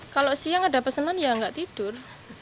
kalau siang ada pesanan ya nggak tidur